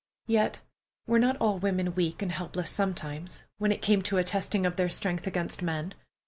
Yet, were not all women weak and helpless sometimes, when it came to a testing of their strength against men?